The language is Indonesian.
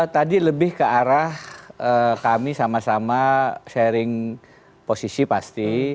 tadi lebih ke arah kami sama sama sharing posisi pasti